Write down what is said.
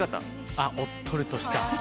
あっおっとりとした。